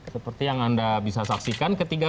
seperti yang anda bisa saksikan